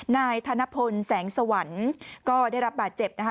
นายธนพลแสงสวรรค์ก็ได้รับบาดเจ็บนะคะ